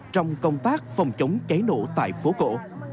trong công tác phòng chống cháy nổ tại phố cổ